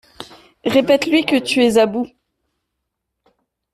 Répète-lui que tu es à bout.